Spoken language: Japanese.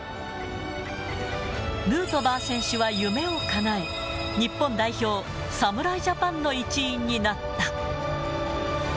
ヌートバー選手は夢をかなえ、日本代表、侍ジャパンの一員になった。